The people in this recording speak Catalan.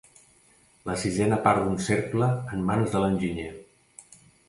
La sisena part d'un cercle en mans de l'enginyer.